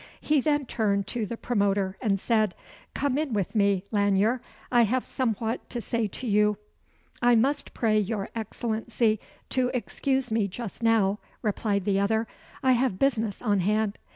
He then turned to the promoter, and said, "Come in with me, Lanyere. I have somewhat to say to you." "I must pray your Excellency to excuse me just now," replied the other. "I have business on hand."